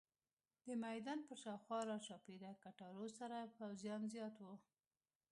د میدان پر شاوخوا راچاپېره کټارو سره پوځیان زیات وو.